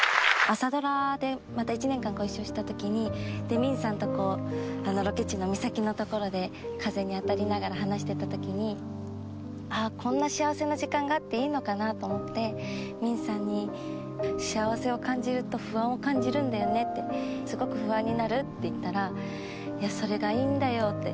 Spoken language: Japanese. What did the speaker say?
朝ドラでまた１年間ご一緒したときに泯さんとこうロケ地の岬の所で風に当たりながら話してたときにあっこんな幸せな時間があっていいのかなと思って泯さんに「幸せを感じると不安を感じるんだよね」って「すごく不安になる」って言ったら「いやそれがいいんだよ」って